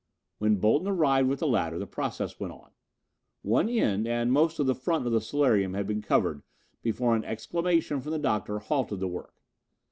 When Bolton arrived with the ladder, the process went on. One end and most of the front of the solarium had been covered before an exclamation from the Doctor halted the work.